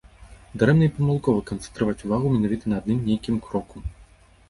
Дарэмна і памылкова канцэнтраваць увагу менавіта на адным нейкім кроку.